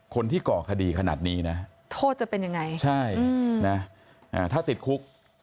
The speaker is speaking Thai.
ก่อคดีขนาดนี้นะโทษจะเป็นยังไงใช่นะถ้าติดคุก